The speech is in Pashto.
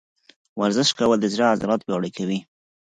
ورزش کول د زړه عضلات پیاوړي کوي.